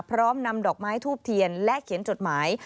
พร้อมนำดอกไม้ทูบเทียนและเขียนจดหมาย